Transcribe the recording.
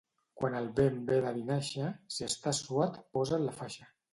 Quan el vent ve de Vinaixa, si estàs suat posa't la faixa.